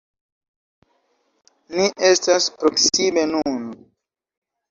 Ni estas proksime nun.